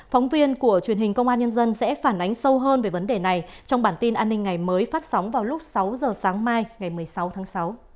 phóng viên của truyền hình công an nhân dân sẽ phản ánh sâu hơn về vấn đề này trong bản tin an ninh ngày mới phát sóng vào lúc sáu giờ sáng mai ngày một mươi sáu tháng sáu